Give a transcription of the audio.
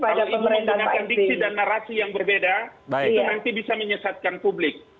kalau ingin menggunakan diksi dan narasi yang berbeda itu nanti bisa menyesatkan publik